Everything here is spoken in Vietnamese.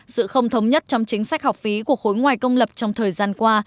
sự không thống nhất trong chính sách học phí của khối ngoài công lập trong thời gian qua